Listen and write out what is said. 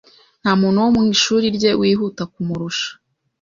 Nta muntu wo mu ishuri rye wihuta kumurusha.